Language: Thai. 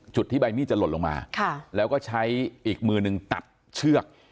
จุดที่ใบมีดจะหล่นลงมาแล้วก็ใช้อีกมือหนึ่งตัดเชือก